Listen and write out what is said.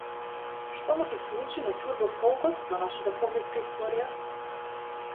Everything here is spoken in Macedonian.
Што му се случи на турбо-фолкот во нашата поблиска историја?